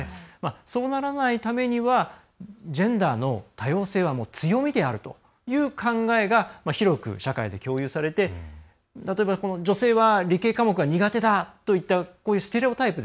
そうならないためにはジェンダーの多様性は強みであるという考えが広く社会で共有されて例えば、女性は理系科目が苦手だというこういうステレオタイプ。